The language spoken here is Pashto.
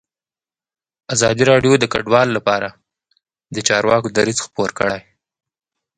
ازادي راډیو د کډوال لپاره د چارواکو دریځ خپور کړی.